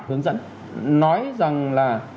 hướng dẫn nói rằng là